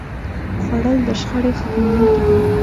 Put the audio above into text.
خوړل د شخړې ختموونکی دی